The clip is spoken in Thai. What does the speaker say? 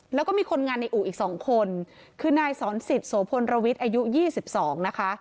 แล้วก็มีคนงานในอู่อีก๒คนคือนายสอนสิทธิ์โสพลระวิทย์อายุ๒๒นะคะ